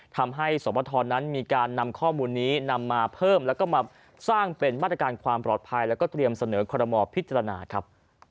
ทำให้สมทรนั้นมีการนำข้อมูลนี้นำมาเพิ่มแล้วก็มาสร้างเป็นมาตรการความปลอดภัยแล้วก็เตรียมเสนอคอรมอลพิจารณาครับ